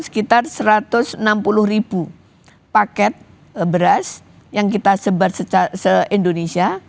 sekitar satu ratus enam puluh ribu paket beras yang kita sebar se indonesia